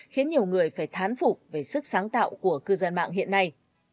khiến nhiều người phải thán phục về sức sáng tạo của cư dân mạng hiện nay